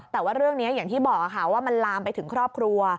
แต่ว่าเรื่องนี้อย่างที่บอกค่ะว่ามันลามไปถึงครอบครัว